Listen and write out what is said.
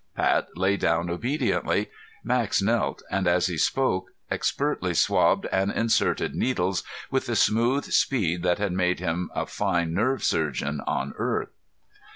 Pat lay down obediently. Max knelt, and, as he spoke, expertly swabbed and inserted needles with the smooth speed that had made him a fine nerve surgeon on Earth.